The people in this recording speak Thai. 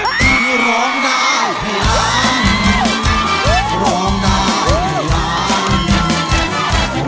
ใกล้สีมูลธาตุ๒๐๐๐๐บาทคุณคุณแผน